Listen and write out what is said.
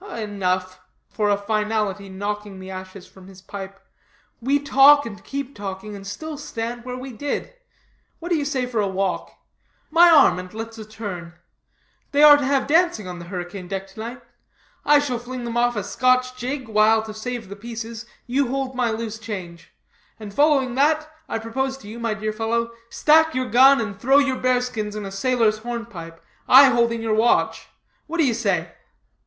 "Enough," for a finality knocking the ashes from his pipe, "we talk and keep talking, and still stand where we did. What do you say for a walk? My arm, and let's a turn. They are to have dancing on the hurricane deck to night. I shall fling them off a Scotch jig, while, to save the pieces, you hold my loose change; and following that, I propose that you, my dear fellow, stack your gun, and throw your bearskins in a sailor's hornpipe I holding your watch. What do you say?"